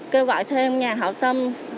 kêu gọi thêm nhà hảo tâm